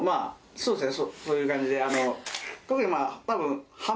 そうっすね